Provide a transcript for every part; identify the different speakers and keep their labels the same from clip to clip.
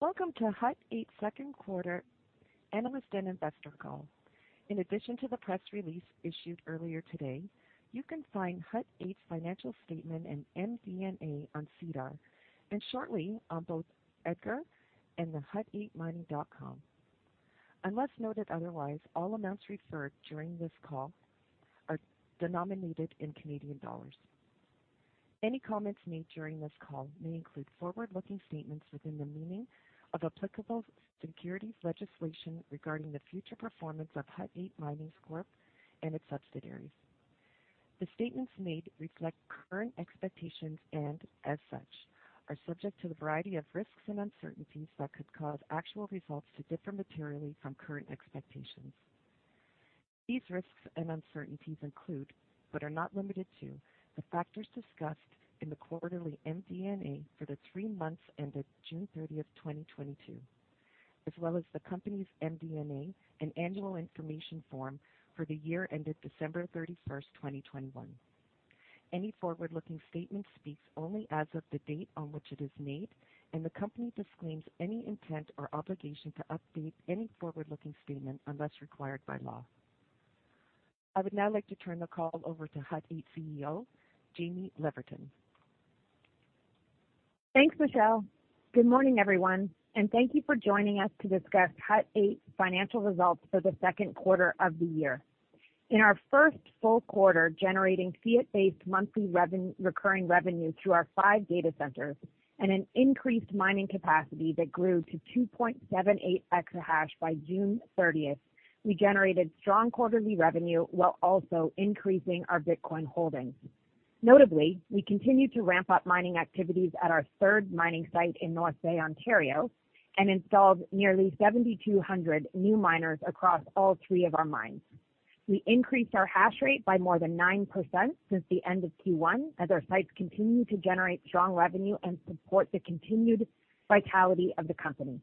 Speaker 1: Welcome to Hut 8 second quarter Analyst and Investor call. In addition to the press release issued earlier today, you can find Hut 8 financial statement and MD&A on SEDAR, and shortly on both EDGAR and the hut8mining.com. Unless noted otherwise, all amounts referred during this call are denominated in Canadian dollars. Any comments made during this call may include forward-looking statements within the meaning of applicable securities legislation regarding the future performance of Hut 8 Mining Corp and its subsidiaries. The statements made reflect current expectations and as such, are subject to the variety of risks and uncertainties that could cause actual results to differ materially from current expectations. These risks and uncertainties include, but are not limited to the factors discussed in the quarterly MD&A for the three months ended June 30, 2022, as well as the company's MD&A, an annual information form for the year ended December 31, 2021. Any forward-looking statement speaks only as of the date on which it is made, and the company disclaims any intent or obligation to update any forward-looking statement unless required by law. I would now like to turn the call over to Hut 8 CEO, Jaime Leverton.
Speaker 2: Thanks, Michelle. Good morning, everyone, and thank you for joining us to discuss Hut 8 financial results for the second quarter of the year. In our first full quarter, generating fiat-based monthly recurring revenue through our five data centers and an increased mining capacity that grew to 2.78 exahash by June 30th, we generated strong quarterly revenue while also increasing our Bitcoin holdings. Notably, we continued to ramp up mining activities at our third mining site in North Bay, Ontario, and installed nearly 7,200 new miners across all three of our mines. We increased our hash rate by more than 9% since the end of Q1 as our sites continue to generate strong revenue and support the continued vitality of the company.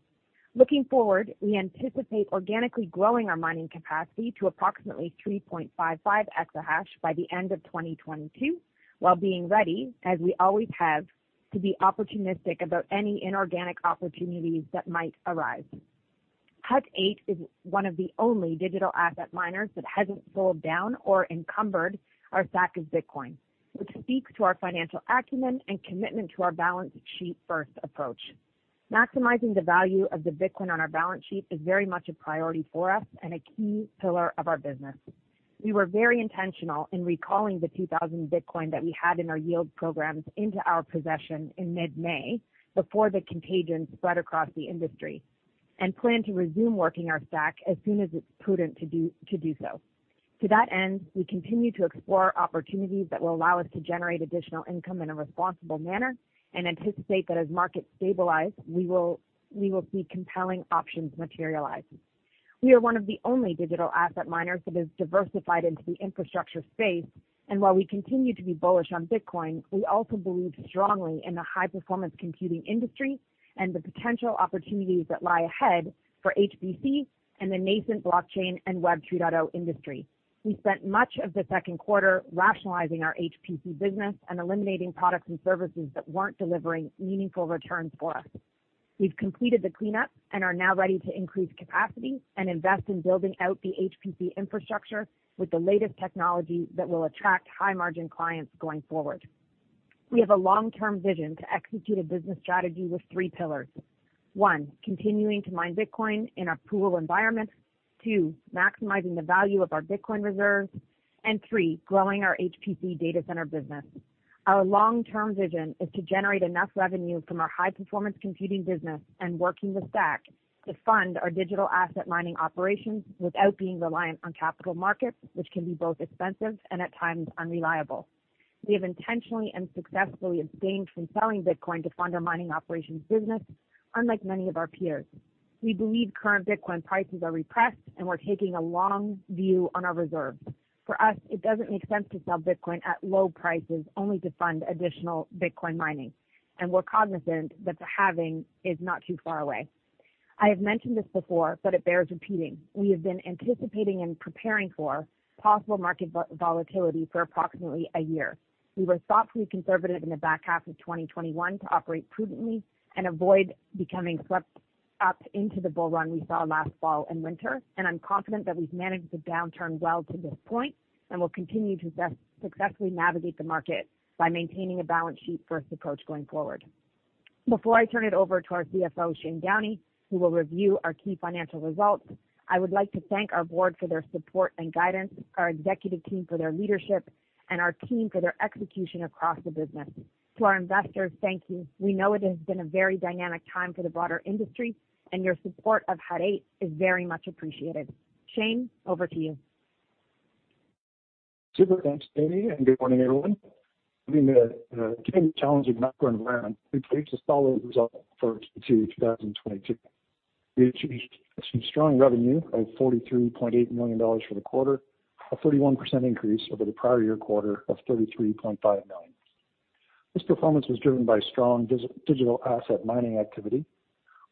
Speaker 2: Looking forward, we anticipate organically growing our mining capacity to approximately 3.5 exahash by the end of 2022, while being ready, as we always have, to be opportunistic about any inorganic opportunities that might arise. Hut 8 is one of the only digital asset miners that hasn't sold down or encumbered our stack of Bitcoin, which speaks to our financial acumen and commitment to our balance sheet first approach. Maximizing the value of the Bitcoin on our balance sheet is very much a priority for us and a key pillar of our business. We were very intentional in recalling the 2,000 Bitcoin that we had in our yield programs into our possession in mid-May before the contagion spread across the industry and plan to resume working our stack as soon as it's prudent to do so. To that end, we continue to explore opportunities that will allow us to generate additional income in a responsible manner and anticipate that as markets stabilize, we will see compelling options materialize. We are one of the only digital asset miners that has diversified into the infrastructure space. While we continue to be bullish on Bitcoin, we also believe strongly in the high-performance computing industry and the potential opportunities that lie ahead for HPC and the nascent blockchain and Web 3.0 industry. We spent much of the second quarter rationalizing our HPC business and eliminating products and services that weren't delivering meaningful returns for us. We've completed the cleanup and are now ready to increase capacity and invest in building out the HPC infrastructure with the latest technology that will attract high-margin clients going forward. We have a long-term vision to execute a business strategy with three pillars. One, continuing to mine Bitcoin in a pool environment. Two, maximizing the value of our Bitcoin reserves. And three, growing our HPC data center business. Our long-term vision is to generate enough revenue from our high-performance computing business and working the stack to fund our digital asset mining operations without being reliant on capital markets, which can be both expensive and at times unreliable. We have intentionally and successfully abstained from selling Bitcoin to fund our mining operations business, unlike many of our peers. We believe current Bitcoin prices are repressed, and we're cognizant that the halving is not too far away. I have mentioned this before, but it bears repeating. We have been anticipating and preparing for possible market volatility for approximately a year. We were thoughtfully conservative in the back half of 2021 to operate prudently and avoid becoming swept up into the bull run we saw last fall and winter. I'm confident that we've managed the downturn well to this point and will continue to successfully navigate the market by maintaining a balance sheet first approach going forward. Before I turn it over to our CFO, Shane Downey, who will review our key financial results, I would like to thank our board for their support and guidance, our executive team for their leadership, and our team for their execution across the business. To our investors, thank you. We know it has been a very dynamic time for the broader industry, and your support of Hut 8 is very much appreciated. Shane, over to you.
Speaker 3: Super. Thanks, Jaime, and good morning, everyone. Given the challenging macro environment, we've reached a solid result for Q2 2022. We achieved some strong revenue of 43.8 million dollars for the quarter, a 31% increase over the prior year quarter of 33.5 million. This performance was driven by strong digital asset mining activity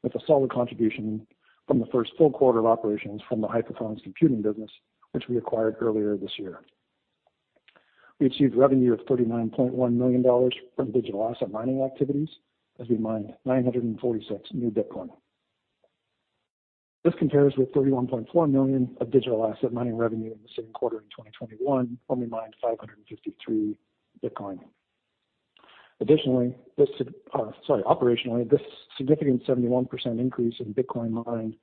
Speaker 3: with a solid contribution from the first full quarter of operations from the high-performance computing business, which we acquired earlier this year. We achieved revenue of $39.1 million from digital asset mining activities as we mined 946 new Bitcoin. This compares with $31.4 million of digital asset mining revenue in the same quarter in 2021, when we mined 553 Bitcoin. Operationally, this significant 71% increase in Bitcoin mined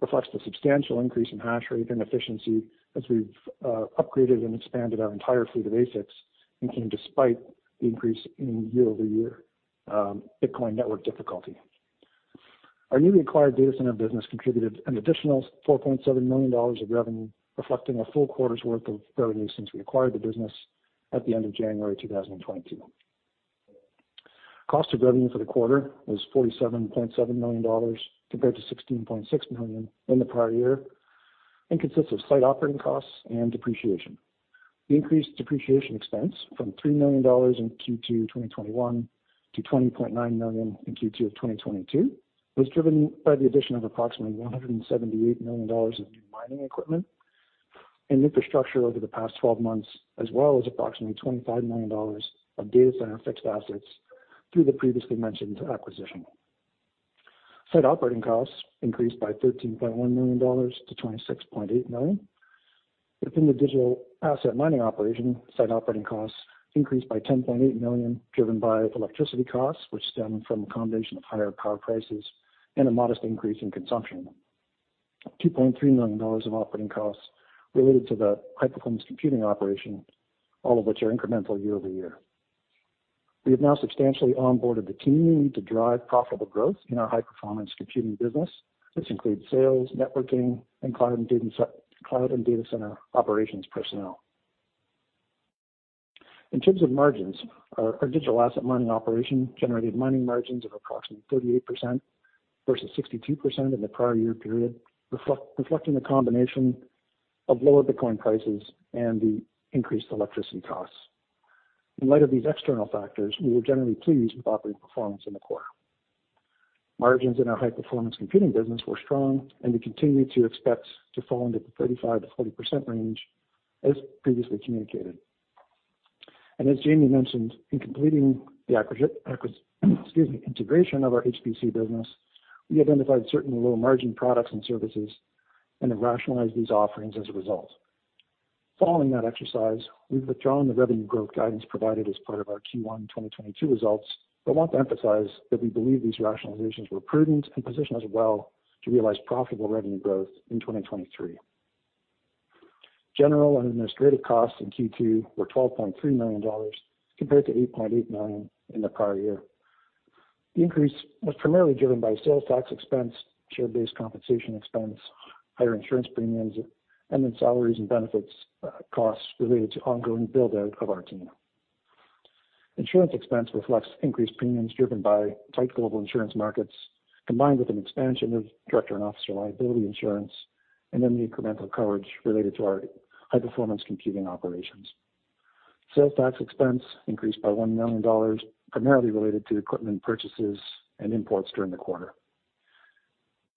Speaker 3: reflects the substantial increase in hash rate and efficiency as we've upgraded and expanded our entire fleet of ASICs, and came despite the increase in year-over-year Bitcoin network difficulty. Our newly acquired data center business contributed an additional $4.7 million of revenue, reflecting a full quarter's worth of revenue since we acquired the business at the end of January 2022. Cost of revenue for the quarter was 47.7 million dollars compared to 16.6 million in the prior year, and consists of site operating costs and depreciation. The increased depreciation expense from 3 million dollars in Q2 2021 to 20.9 million in Q2 of 2022 was driven by the addition of approximately 178 million dollars of new mining equipment and infrastructure over the past 12-months, as well as approximately 25 million dollars of data center fixed assets through the previously mentioned acquisition. Site operating costs increased by 13.1 million-26.8 million dollars. Within the digital asset mining operation, site operating costs increased by 10.8 million, driven by electricity costs, which stem from a combination of higher power prices and a modest increase in consumption. $2.3 million of operating costs related to the high-performance computing operation, all of which are incremental year-over-year. We have now substantially onboarded the team we need to drive profitable growth in our high-performance computing business. This includes sales, networking, and cloud and data center operations personnel. In terms of margins, our digital asset mining operation generated mining margins of approximately 38% versus 62% in the prior year period, reflecting the combination of lower Bitcoin prices and the increased electricity costs. In light of these external factors, we were generally pleased with operating performance in the quarter. Margins in our high-performance computing business were strong, and we continue to expect to fall into the 35%-40% range as previously communicated. As Jaime mentioned, in completing the integration of our HPC business, we identified certain low-margin products and services and have rationalized these offerings as a result. Following that exercise, we've withdrawn the revenue growth guidance provided as part of our Q1 2022 results. Want to emphasize that we believe these rationalizations were prudent and position us well to realize profitable revenue growth in 2023. General and administrative costs in Q2 were 12.3 million dollars, compared to 8.8 million in the prior year. The increase was primarily driven by sales tax expense, share-based compensation expense, higher insurance premiums, and salaries and benefits costs related to ongoing build-out of our team. Insurance expense reflects increased premiums driven by tight global insurance markets, combined with an expansion of director and officer liability insurance, and then the incremental coverage related to our high-performance computing operations. Sales tax expense increased by 1 million dollars, primarily related to equipment purchases and imports during the quarter.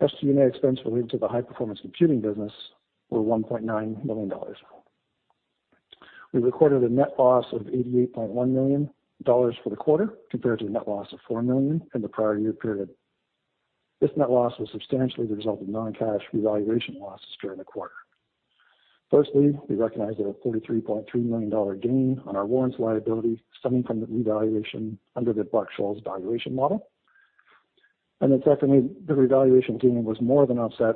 Speaker 3: SG&A expense related to the high-performance computing business were 1.9 million dollars. We recorded a net loss of 88.1 million dollars for the quarter, compared to a net loss of 4 million in the prior year period. This net loss was substantially the result of non-cash revaluation losses during the quarter. Firstly, we recognized a 43.3 million dollar gain on our warrants liability stemming from the revaluation under the Black-Scholes valuation model. The revaluation gain was more than offset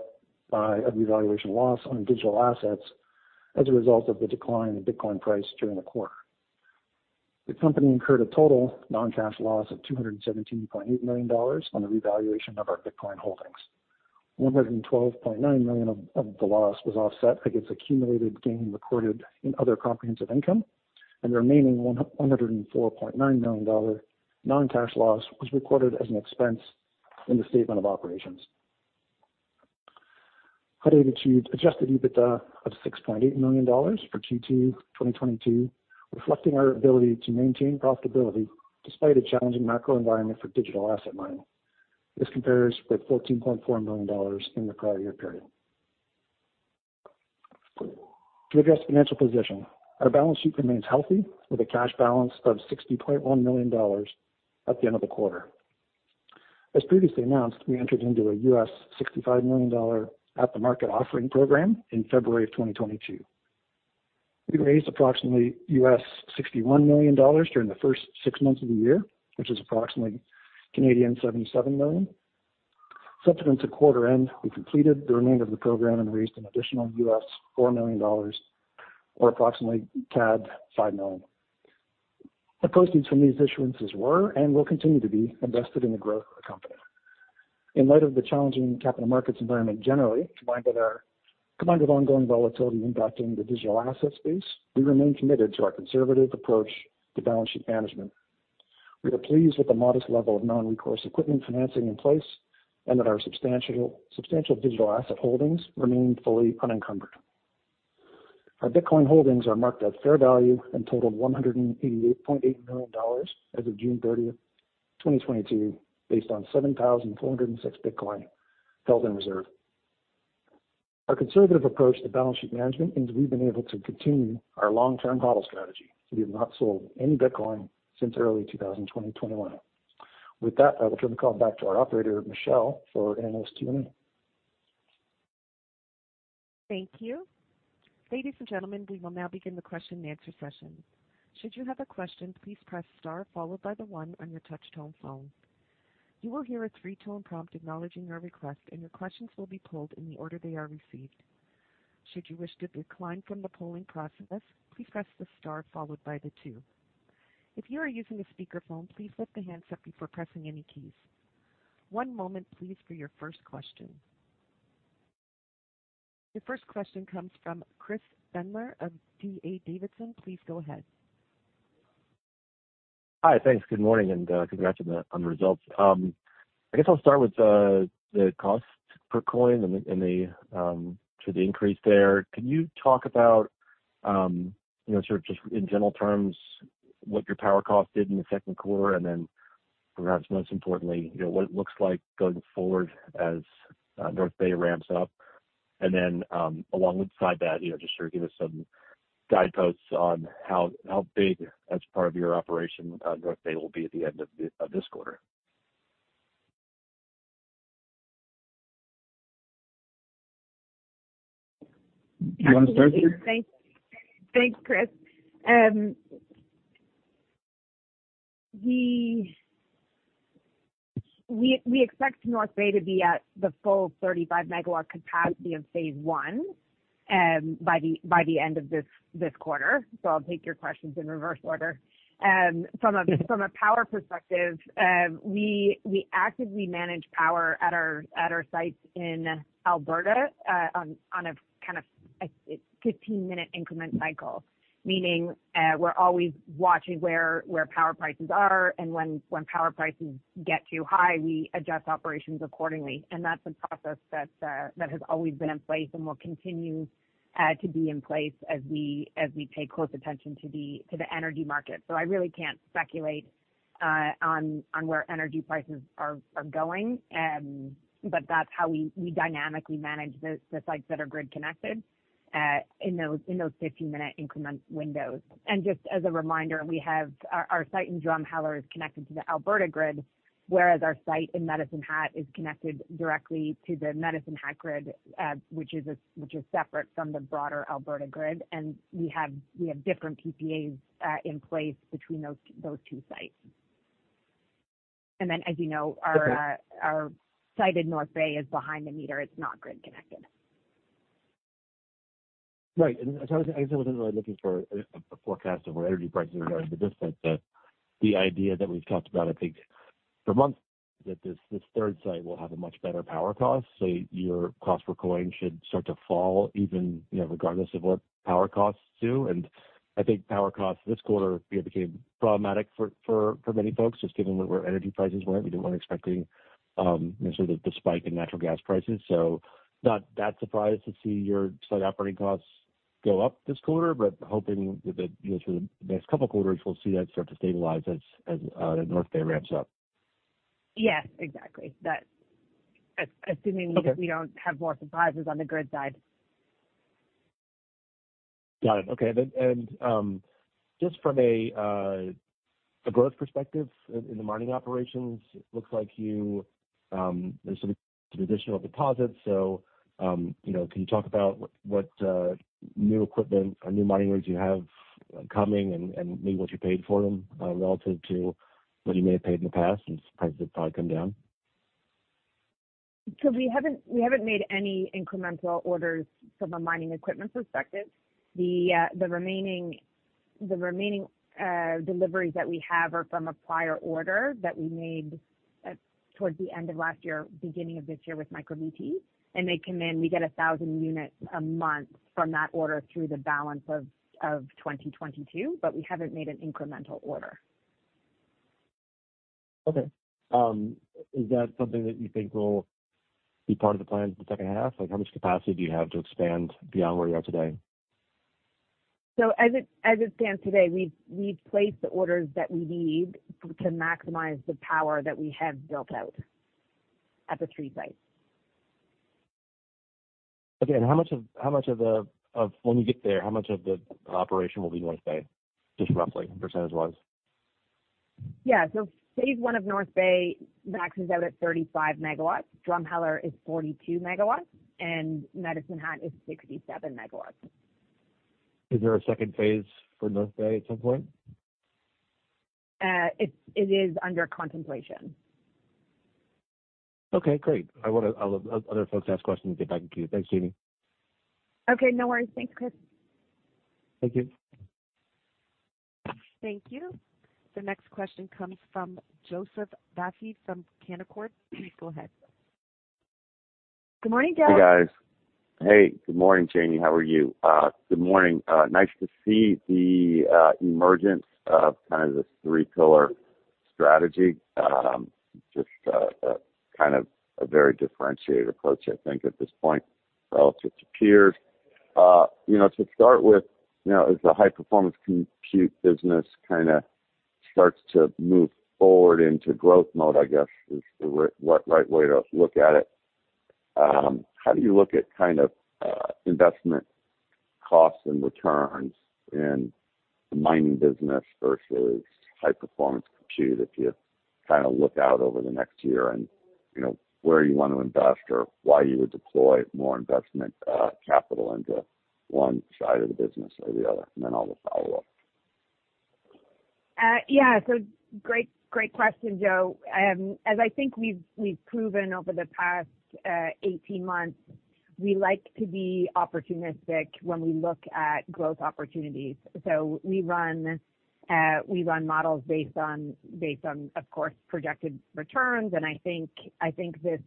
Speaker 3: by a revaluation loss on digital assets as a result of the decline in Bitcoin price during the quarter. The company incurred a total non-cash loss of $217.8 million on the revaluation of our Bitcoin holdings. $112.9 million of the loss was offset against accumulated gain recorded in Other Comprehensive Income, and the remaining $104.9 million non-cash loss was recorded as an expense in the statement of operations. Hut 8 achieved Adjusted EBITDA of $6.8 million for Q2 2022, reflecting our ability to maintain profitability despite a challenging macro environment for digital asset mining. This compares with $14.4 million in the prior year period. To address financial position, our balance sheet remains healthy, with a cash balance of $60.1 million at the end of the quarter. As previously announced, we entered into a $65 million at-the-market offering program in February of 2022. We raised approximately $61 million during the first six months of the year, which is approximately 77 million. Subsequent to quarter end, we completed the remainder of the program and raised an additional $4 million or approximately CAD 5 million. The proceeds from these issuances were and will continue to be invested in the growth of the company. In light of the challenging capital markets environment generally, combined with ongoing volatility impacting the digital asset space, we remain committed to our conservative approach to balance sheet management. We are pleased with the modest level of non-recourse equipment financing in place, and that our substantial digital asset holdings remain fully unencumbered. Our Bitcoin holdings are marked at fair value and totaled $188.8 million as of June 30th, 2022, based on 7,406 Bitcoin held in reserve. Our conservative approach to balance sheet management means we've been able to continue our long-term HODL strategy. We have not sold any Bitcoin since early 2021. With that, I will turn the call back to our operator, Michelle, for analyst Q&A.
Speaker 1: Thank you. Ladies and gentlemen, we will now begin the question and answer session. Should you have a question, please press star followed by the one on your touch tone phone. You will hear a three-tone prompt acknowledging your request, and your questions will be pulled in the order they are received. Should you wish to decline from the polling process, please press the star followed by the two. If you are using a speakerphone, please lift the handset before pressing any keys. One moment please for your first question. Your first question comes from Chris Brendler of D.A. Davidson. Please go ahead.
Speaker 4: Hi. Thanks. Good morning, and congrats on the results. I guess I'll start with the cost per coin and the increase there. Can you talk about, you know, sort of just in general terms, what your power cost did in the second quarter and then perhaps most importantly, you know, what it looks like going forward as North Bay ramps up? Alongside that, you know, just sort of give us some guideposts on how big a part of your operation North Bay will be at the end of this quarter.
Speaker 3: You wanna start, Jaime?
Speaker 2: Thanks. Thanks, Chris. We expect North Bay to be at the full 35 MW capacity of phase I, by the end of this quarter. I'll take your questions in reverse order. From a power perspective, we actively manage power at our sites in Alberta, on a kind of a 15-minute increment cycle. Meaning, we're always watching where power prices are and when power prices get too high, we adjust operations accordingly. That's a process that has always been in place and will continue to be in place as we pay close attention to the energy market. I really can't speculate on where energy prices are going. That's how we dynamically manage the sites that are grid connected in those 15-minute increment windows. Just as a reminder, we have our site in Drumheller is connected to the Alberta grid, whereas our site in Medicine Hat is connected directly to the Medicine Hat grid, which is separate from the broader Alberta grid. We have different PPAs in place between those two sites. As you know, our-
Speaker 4: Okay.
Speaker 2: Our site in North Bay is behind the meter. It's not grid connected.
Speaker 4: Right. I guess I wasn't really looking for a forecast of where energy prices are going, but just the idea that we've talked about, I think, for months that this third site will have a much better power cost. Your cost per coin should start to fall even, you know, regardless of what power costs do. I think power costs this quarter became problematic for many folks, just given where energy prices went. We weren't expecting, you know, sort of the spike in natural gas prices. Not that surprised to see your site operating costs go up this quarter, but hoping that, you know, through the next couple quarters we'll see that start to stabilize as North Bay ramps up.
Speaker 2: Yes, exactly.
Speaker 4: Okay.
Speaker 2: Assuming we don't have more surprises on the grid side.
Speaker 4: Got it. Okay. Just from a growth perspective in the mining operations, it looks like there's some additional deposits, so you know, can you talk about what new equipment or new mining rigs you have coming and maybe what you paid for them relative to what you may have paid in the past, and prices have probably come down?
Speaker 2: We haven't made any incremental orders from a mining equipment perspective. The remaining deliveries that we have are from a prior order that we made towards the end of last year, beginning of this year with MicroBT. They come in, we get 1,000 units a month from that order through the balance of 2022, but we haven't made an incremental order.
Speaker 4: Okay. Is that something that you think will be part of the plan for the second half? Like, how much capacity do you have to expand beyond where you are today?
Speaker 2: As it stands today, we've placed the orders that we need to maximize the power that we have built out at the three sites.
Speaker 4: Okay. How much of the operation will be North Bay, just roughly percentage-wise?
Speaker 2: Yeah. Phase one of North Bay maxes out at 35 MW. Drumheller is 42 MW, and Medicine Hat is 67 MW.
Speaker 4: Is there a second phase for North Bay at some point?
Speaker 2: It is under contemplation.
Speaker 4: Okay, great. I'll let other folks ask questions and get back to you. Thanks, Jaime.
Speaker 2: Okay, no worries. Thanks, Chris.
Speaker 4: Thank you.
Speaker 1: Thank you. The next question comes from Joseph Vafi from Canaccord. Please go ahead.
Speaker 2: Good morning, Joe.
Speaker 5: Hey, guys. Hey, good morning, Jaime. How are you? Good morning. Nice to see the emergence of kind of this three-pillar strategy. Just kind of a very differentiated approach, I think, at this point relative to peers. You know, to start with, you know, as the high-performance compute business kinda starts to move forward into growth mode, I guess is the what right way to look at it. How do you look at kind of investment costs and returns in the mining business versus high performance compute if you kind of look out over the next year and, you know, where you want to invest or why you would deploy more investment capital into one side of the business or the other? Then I'll just follow up.
Speaker 2: Yeah. Great question, Joe. As I think we've proven over the past 18 months, we like to be opportunistic when we look at growth opportunities. We run models based on, of course, projected returns. I think this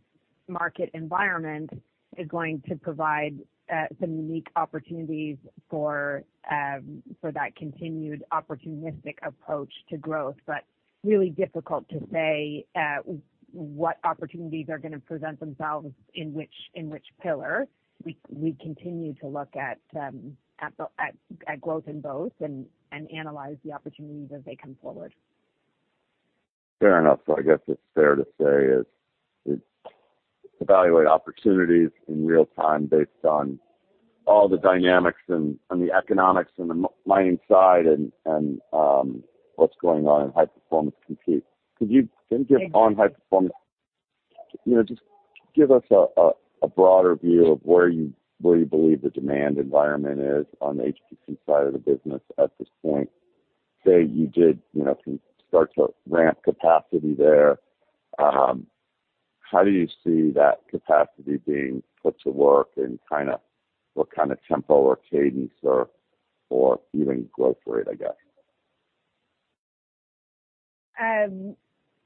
Speaker 2: market environment is going to provide some unique opportunities for that continued opportunistic approach to growth, but really difficult to say what opportunities are gonna present themselves in which pillar. We continue to look at growth in both and analyze the opportunities as they come forward.
Speaker 5: Fair enough. I guess it's fair to say evaluate opportunities in real time based on all the dynamics and the economics in the mining side and what's going on in high-performance computing. Can you give on high-performance, you know, just give us a broader view of where you believe the demand environment is on the HPC side of the business at this point? Say you did, you know, can start to ramp capacity there, how do you see that capacity being put to work and kinda what kind of tempo or cadence or even growth rate, I guess?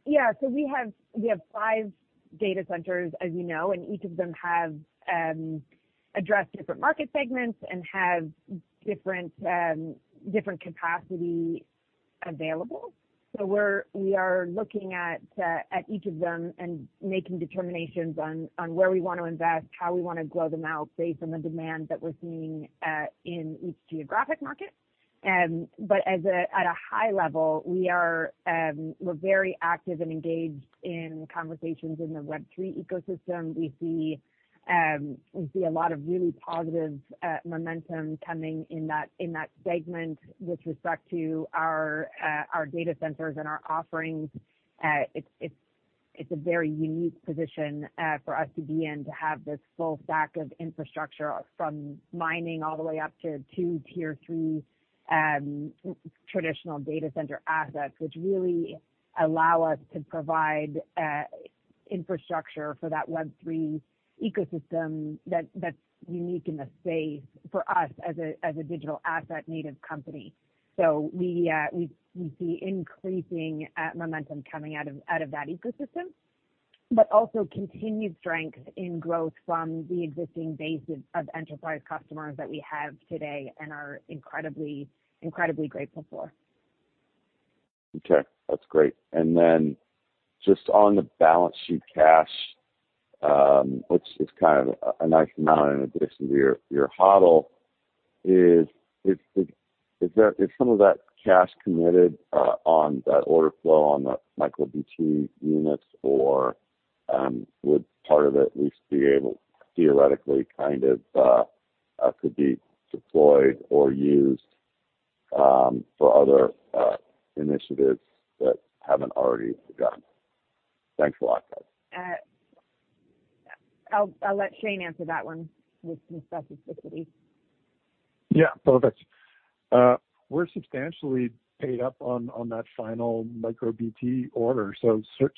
Speaker 2: We have five data centers, as you know, and each of them have address different market segments and have different capacity available. We are looking at each of them and making determinations on where we wanna invest, how we wanna grow them out based on the demand that we're seeing in each geographic market. At a high level, we're very active and engaged in conversations in the Web3 ecosystem. We see a lot of really positive momentum coming in that segment with respect to our data centers and our offerings. It's a very unique position for us to be in, to have this full stack of infrastructure from mining all the way up to two Tier 3 traditional data center assets, which really allow us to provide infrastructure for that Web3 ecosystem that's unique in the space for us as a digital asset native company. We see increasing momentum coming out of that ecosystem, but also continued strength in growth from the existing base of enterprise customers that we have today and are incredibly grateful for.
Speaker 5: Okay, that's great. Just on the balance sheet cash, which is kind of a nice amount in addition to your HODL. Is there some of that cash committed on that order flow on the MicroBT units? Or would part of it at least be able theoretically kind of could be deployed or used for other initiatives that haven't already begun? Thanks a lot, guys.
Speaker 2: I'll let Shane answer that one with some specificity.
Speaker 3: Yeah, perfect. We're substantially paid up on that final MicroBT order.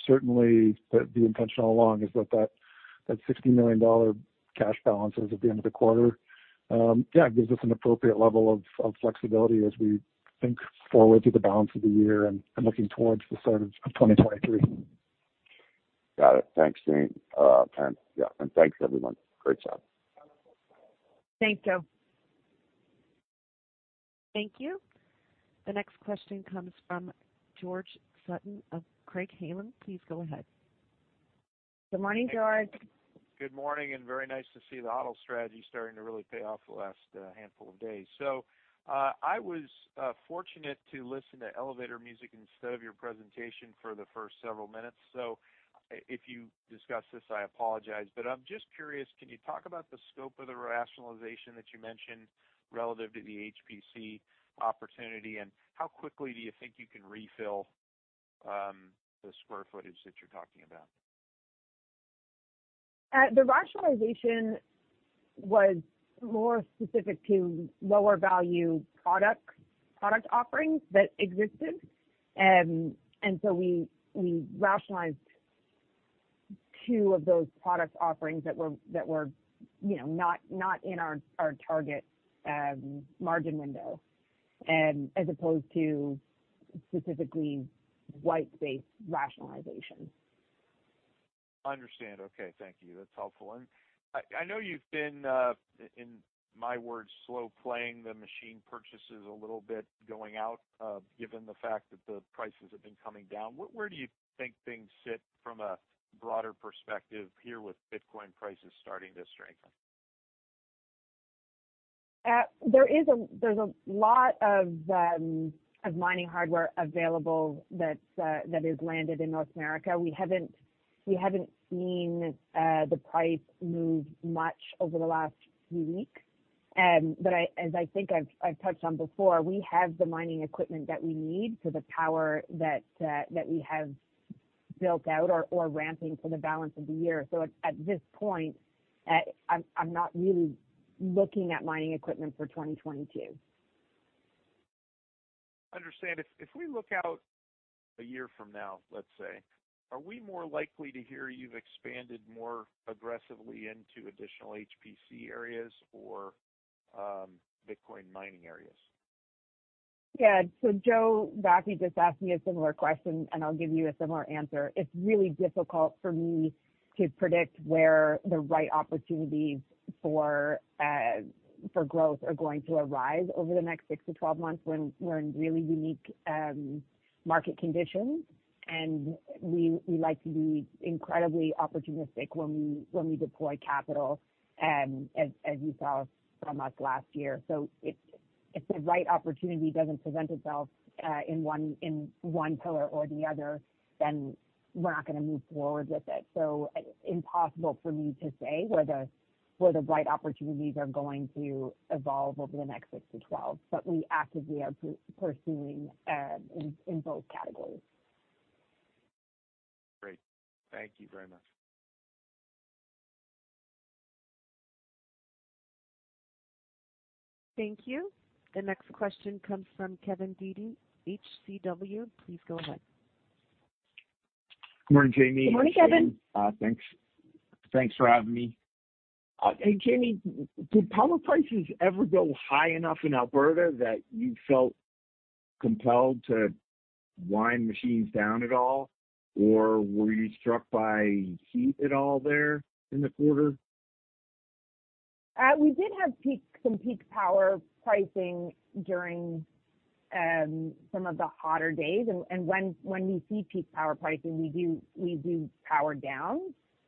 Speaker 3: Certainly the intention all along is that $60 million cash balances at the end of the quarter gives us an appropriate level of flexibility as we think forward through the balance of the year and looking towards the start of 2023.
Speaker 5: Got it. Thanks, Shane. Yeah, and thanks, everyone. Great job.
Speaker 2: Thanks, Joe.
Speaker 1: Thank you. The next question comes from George Sutton of Craig-Hallum. Please go ahead.
Speaker 2: Good morning, George.
Speaker 6: Good morning, very nice to see the HODL strategy starting to really pay off the last handful of days. I was fortunate to listen to elevator music instead of your presentation for the first several minutes. If you discussed this, I apologize, but I'm just curious, can you talk about the scope of the rationalization that you mentioned relative to the HPC opportunity, and how quickly do you think you can refill the square footage that you're talking about?
Speaker 2: The rationalization was more specific to lower value product offerings that existed. We rationalized two of those product offerings that were, you know, not in our target margin window, as opposed to specifically white space rationalization.
Speaker 6: Understand. Okay. Thank you. That's helpful. I know you've been, in my words, slow playing the machine purchases a little bit going out, given the fact that the prices have been coming down. Where do you think things sit from a broader perspective here with Bitcoin prices starting to strengthen?
Speaker 2: There's a lot of mining hardware available that is landed in North America. We haven't seen the price move much over the last few weeks. As I think I've touched on before, we have the mining equipment that we need for the power that we have built out or ramping for the balance of the year. At this point, I'm not really looking at mining equipment for 2022.
Speaker 6: Understand. If we look out a year from now, let's say, are we more likely to hear you've expanded more aggressively into additional HPC areas or Bitcoin mining areas?
Speaker 2: Yeah. Joe Vafi just asked me a similar question, and I'll give you a similar answer. It's really difficult for me to predict where the right opportunities for growth are going to arise over the next six to 12 months. We're in really unique market conditions, and we like to be incredibly opportunistic when we deploy capital, as you saw from us last year. If the right opportunity doesn't present itself in one pillar or the other, then we're not gonna move forward with it. Impossible for me to say where the right opportunities are going to evolve over the next six to 12, but we actively are pursuing in both categories.
Speaker 6: Great. Thank you very much.
Speaker 1: Thank you. The next question comes from Kevin Dede, HCW. Please go ahead.
Speaker 7: Good morning, Jaime.
Speaker 2: Good morning, Kevin.
Speaker 7: Thanks. Thanks for having me. Hey, Jaime, did power prices ever go high enough in Alberta that you felt compelled to wind machines down at all? Or were you struck by heat at all there in the quarter?
Speaker 2: We did have some peak power pricing during some of the hotter days. When we see peak power pricing, we do power down.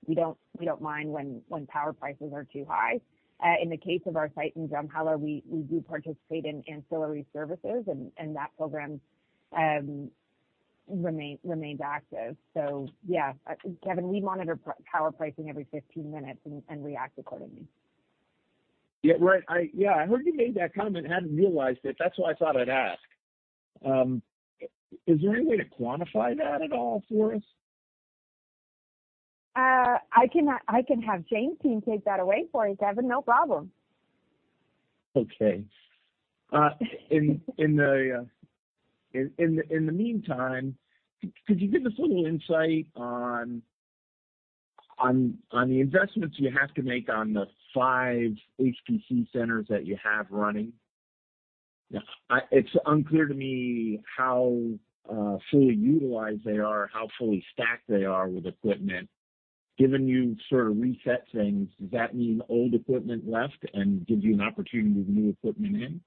Speaker 2: We don't mine when power prices are too high. In the case of our site in Drumheller, we do participate in ancillary services, and that program remained active. Yeah, Kevin, we monitor power pricing every 15-minutes and react accordingly.
Speaker 7: Yeah. Right. Yeah, I heard you made that comment, hadn't realized it. That's why I thought I'd ask. Is there any way to quantify that at all for us?
Speaker 2: I can have James' team take that away for you, Kevin, no problem.
Speaker 7: Okay. In the meantime, could you give us a little insight on the investments you have to make on the five HPC centers that you have running? It's unclear to me how fully utilized they are, how fully stacked they are with equipment. Given you sort of reset things, does that mean old equipment left and gives you an opportunity to move equipment in?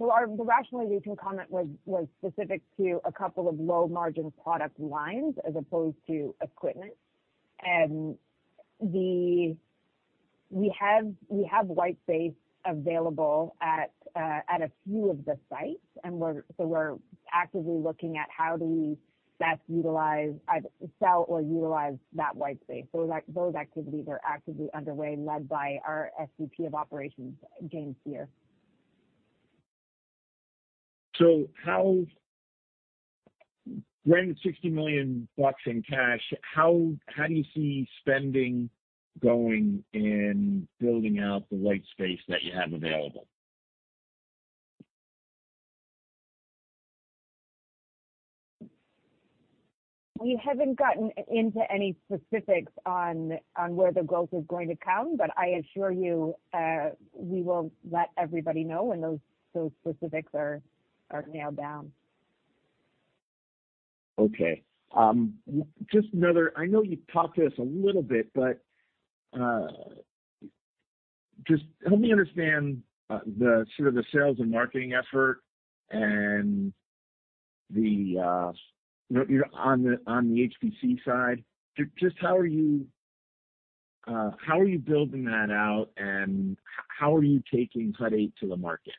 Speaker 2: Our rationalization comment was specific to a couple of low-margin product lines as opposed to equipment. We have white space available at a few of the sites, and we're actively looking at how do we best utilize, either sell or utilize that white space. Those activities are actively underway, led by our SVP of Operations, James Beer.
Speaker 7: When $60 million in cash, how do you see spending going in building out the white space that you have available?
Speaker 2: We haven't gotten into any specifics on where the growth is going to come, but I assure you, we will let everybody know when those specifics are nailed down.
Speaker 7: Okay. Just another. I know you've talked to us a little bit, but just help me understand the sort of sales and marketing effort and, you know, on the HPC side. Just how are you building that out, and how are you taking Hut 8 to the market?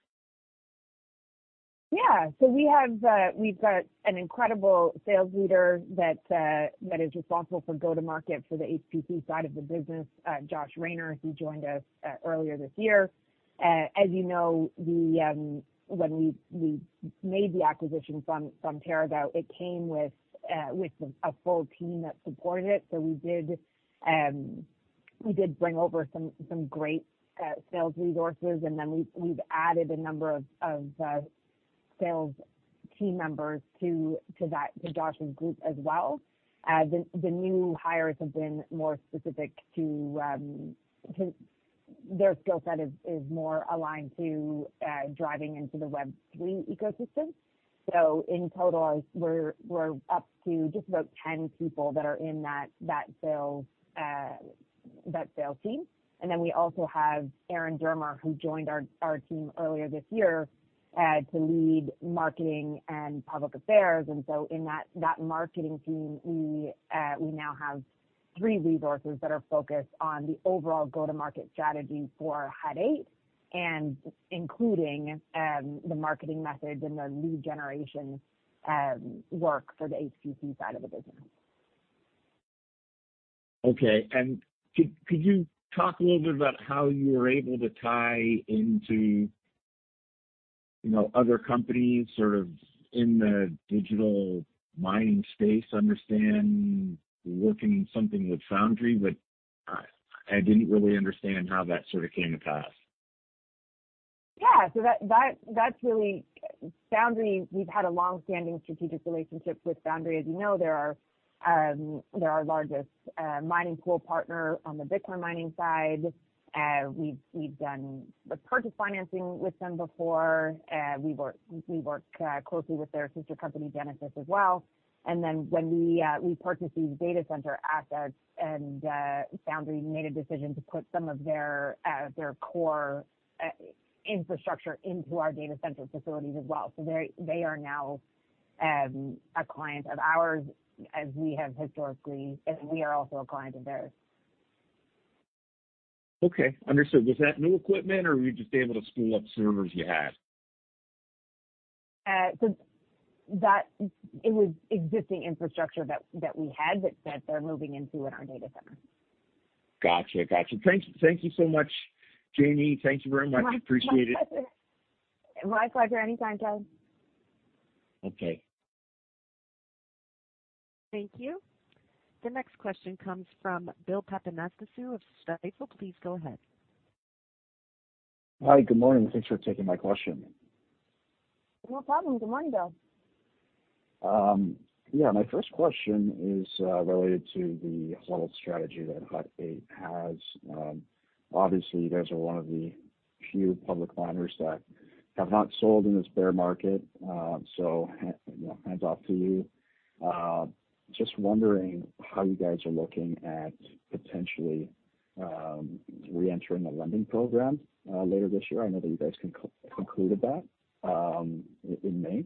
Speaker 2: Yeah. We have we've got an incredible sales leader that is responsible for go-to-market for the HPC side of the business, Josh Rayner, who joined us earlier this year. As you know, when we made the acquisition from TeraGo, it came with a full team that supported it. We did bring over some great sales resources, and then we've added a number of sales team members to Josh's group as well. The new hires have been more specific to. Their skill set is more aligned to driving into the Web3 ecosystem. In total, we're up to just about 10 people that are in that sales team. Then we also have Erin Dermer, who joined our team earlier this year to lead marketing and public affairs. In that marketing team, we now have three resources that are focused on the overall go-to-market strategy for Hut 8 and including the marketing methods and the lead generation work for the HPC side of the business.
Speaker 7: Okay. Could you talk a little bit about how you were able to tie into, you know, other companies sort of in the digital mining space? Understand you're working something with Foundry, but I didn't really understand how that sort of came to pass.
Speaker 2: That's really Foundry. We've had a long-standing strategic relationship with Foundry. As you know, they're our largest mining pool partner on the Bitcoin mining side. We've done the purchase financing with them before. We work closely with their sister company, Genesis, as well. When we purchased these data center assets, Foundry made a decision to put some of their core infrastructure into our data center facilities as well. They're a client of ours as we have historically, and we are also a client of theirs.
Speaker 7: Okay. Understood. Was that new equipment or were you just able to spool up servers you had?
Speaker 2: It was existing infrastructure that we had that they're moving into in our data center.
Speaker 7: Gotcha. Thank you so much, Jamie. Thank you very much. Appreciate it.
Speaker 2: My pleasure. Anytime, Dede.
Speaker 7: Okay.
Speaker 1: Thank you. The next question comes from Bill Papanastasiou of Stifel. Please go ahead.
Speaker 8: Hi. Good morning. Thanks for taking my question.
Speaker 2: No problem. Good morning, Bill.
Speaker 8: Yeah, my first question is related to the whole strategy that Hut 8 has. Obviously, you guys are one of the few public miners that have not sold in this bear market, so you know, hats off to you. Just wondering how you guys are looking at potentially reentering the lending program later this year. I know that you guys concluded that in May.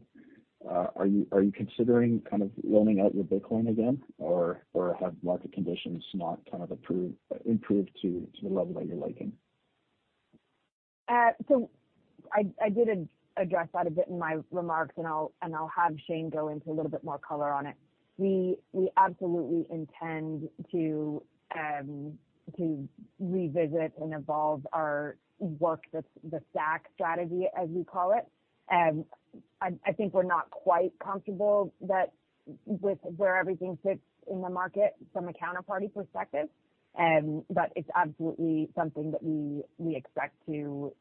Speaker 8: Are you considering kind of loaning out your Bitcoin again or have market conditions not kind of improved to the level that you're liking?
Speaker 2: I did address that a bit in my remarks, and I'll have Shane go into a little bit more color on it. We absolutely intend to revisit and evolve our work with the stack strategy, as we call it. I think we're not quite comfortable with where everything sits in the market from a counterparty perspective, but it's absolutely something that we expect to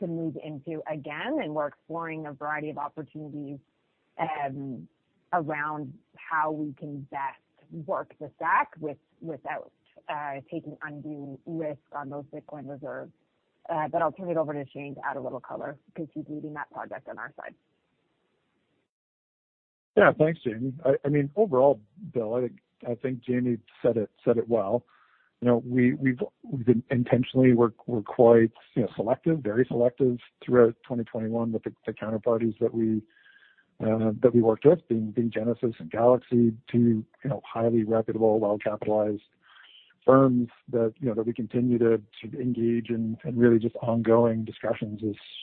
Speaker 2: move into again, and we're exploring a variety of opportunities around how we can best work the stack without taking undue risk on those Bitcoin reserves. I'll turn it over to Shane to add a little color because he's leading that project on our side.
Speaker 3: Yeah. Thanks, Jaime. I mean, overall, Bill, I think Jaime said it well. You know, we've been intentionally we're quite, you know, selective, very selective throughout 2021 with the counterparties that we worked with, being Genesis and Galaxy to, you know, highly reputable, well-capitalized firms that, you know, that we continue to engage in really just ongoing discussions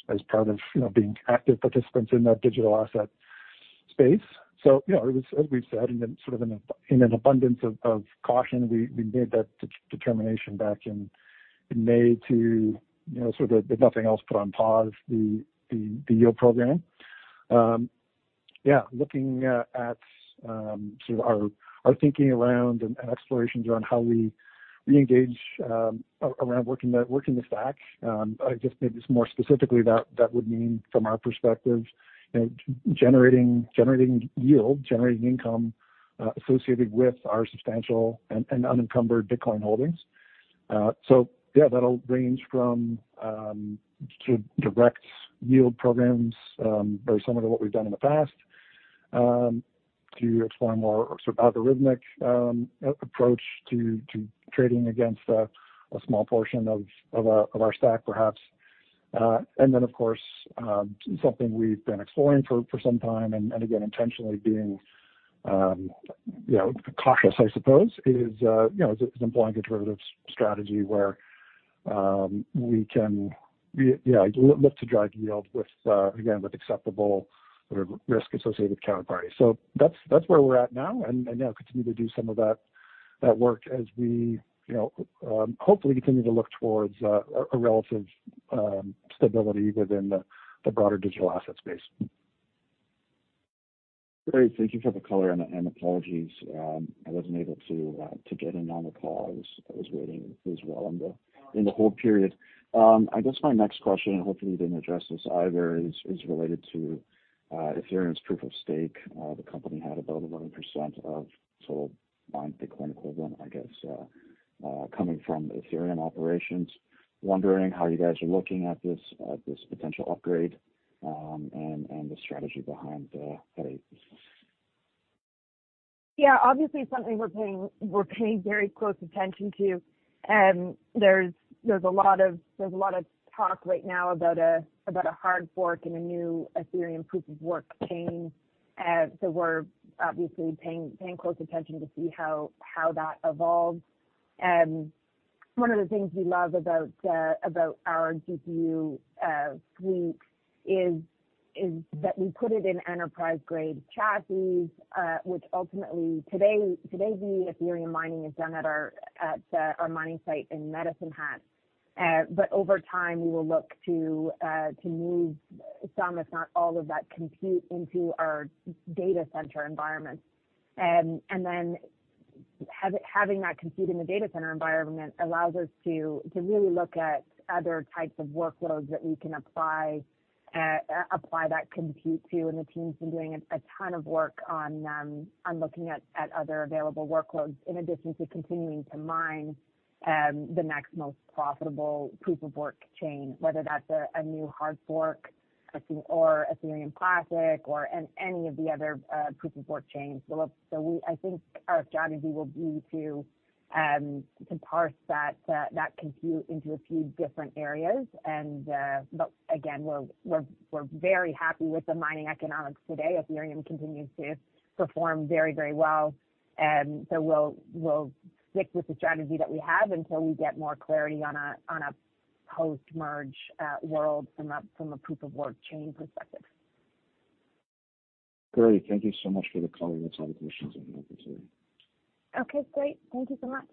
Speaker 3: as part of, you know, being active participants in that digital asset space. Yeah, it was as we've said, in an abundance of caution, we made that determination back in May to, you know, sort of, if nothing else, put on pause the yield program. Yeah, looking at sort of our thinking around and explorations around how we reengage around working the stack, I guess maybe more specifically that would mean from our perspective, you know, generating yield, generating income associated with our substantial and unencumbered Bitcoin holdings. Yeah, that'll range from sort of direct yield programs, very similar to what we've done in the past, to exploring more sort of algorithmic approach to trading against a small portion of our stack perhaps. Of course, something we've been exploring for some time and again, intentionally being you know cautious I suppose is employing a derivatives strategy where we can look to drive yield with again with acceptable sort of risk-associated counterparties. That's where we're at now and yeah continue to do some of that work as we you know hopefully continue to look towards a relative stability within the broader digital asset space.
Speaker 8: Great. Thank you for the color and apologies. I wasn't able to get in on the call. I was waiting as well in the hold period. I guess my next question, and hopefully you didn't address this either, is related to Ethereum's Proof of Stake. The company had about 11% of total mined Bitcoin equivalent, I guess, coming from Ethereum operations. Wondering how you guys are looking at this potential upgrade, and the strategy behind Hut 8.
Speaker 2: Yeah, obviously something we're paying very close attention to. There's a lot of talk right now about a hard fork and a new Ethereum Proof of Work chain. We're obviously paying close attention to see how that evolves. One of the things we love about our GPU fleet is that we put it in enterprise-grade chassis, which ultimately today the Ethereum mining is done at our mining site in Medicine Hat. Over time, we will look to move some, if not all of that compute into our data center environment. Having that compute in the data center environment allows us to really look at other types of workloads that we can apply that compute to. The team's been doing a ton of work on looking at other available workloads in addition to continuing to mine the next most profitable Proof of Work chain, whether that's a new hard fork or Ethereum Classic or any of the other Proof of Work chains. I think our strategy will be to parse that compute into a few different areas. But again, we're very happy with the mining economics today. Ethereum continues to perform very, very well. We'll stick with the strategy that we have until we get more clarity on a post-merge world from a Proof of Work chain perspective.
Speaker 8: Great. Thank you so much for the color. That's all the questions I have for today.
Speaker 2: Okay, great. Thank you so much.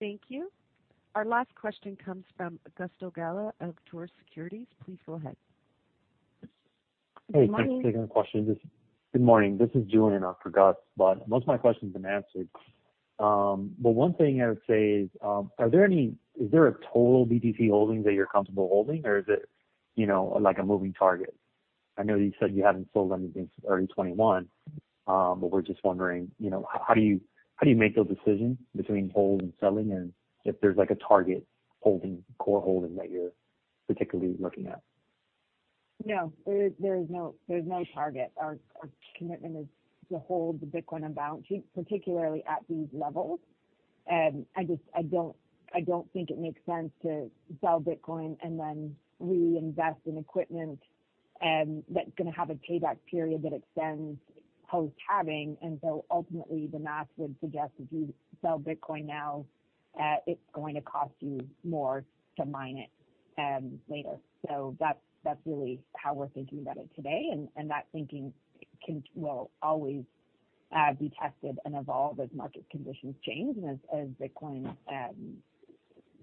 Speaker 1: Thank you. Our last question comes from Gus Galá of Tudor Securities. Please go ahead.
Speaker 2: Good morning.
Speaker 9: Hey, thanks for taking my question. Good morning. This is Julian after Gus, but most of my questions have been answered. But one thing I would say is there a total BTC holdings that you're comfortable holding or is it, you know, like a moving target? I know you said you haven't sold anything early 2021. But we're just wondering, you know, how do you make those decisions between hold and selling and if there's like a target holding, core holding that you're particularly looking at?
Speaker 2: No, there is no target. Our commitment is to hold the Bitcoin on balance sheet, particularly at these levels. I just don't think it makes sense to sell Bitcoin and then reinvest in equipment, that's gonna have a payback period that extends post-halving. Ultimately the math would suggest if you sell Bitcoin now, it's going to cost you more to mine it, later. That's really how we're thinking about it today. That thinking will always be tested and evolve as market conditions change and as Bitcoin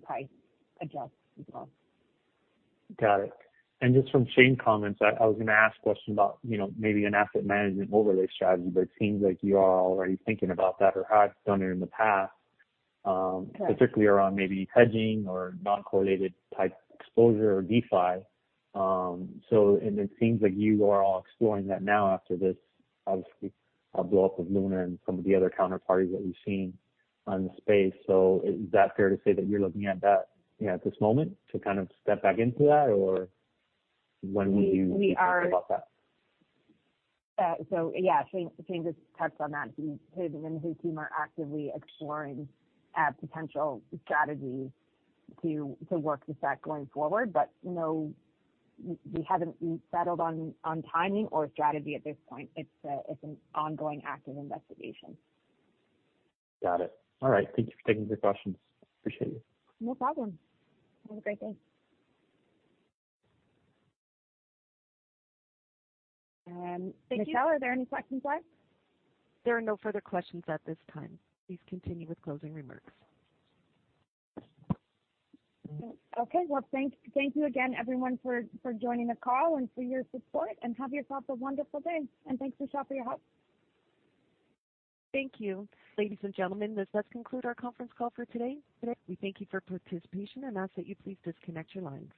Speaker 2: price adjusts as well.
Speaker 9: Got it. Just from Shane's comments, I was gonna ask questions about, you know, maybe an asset management overlay strategy, but it seems like you are already thinking about that or have done it in the past.
Speaker 2: Right.
Speaker 9: Specifically around maybe hedging or non-correlated type exposure or DeFi. It seems like you are all exploring that now after this obviously a blow up of Luna and some of the other counterparties that we've seen in the space. Is that fair to say that you're looking at that, you know, at this moment to kind of step back into that or when will you think about that?
Speaker 2: We are so yeah, Shane just touched on that. He and his team are actively exploring potential strategies to work with that going forward. No, we haven't settled on timing or strategy at this point. It's an ongoing active investigation.
Speaker 9: Got it. All right. Thank you for taking the questions. Appreciate it.
Speaker 2: No problem. Have a great day. Michelle, are there any questions left?
Speaker 1: There are no further questions at this time. Please continue with closing remarks.
Speaker 2: Okay. Well, thank you again everyone for joining the call and for your support and have yourself a wonderful day. Thanks Michelle for your help.
Speaker 1: Thank you. Ladies and gentlemen, this does conclude our conference call for today. We thank you for participation and ask that you please disconnect your lines.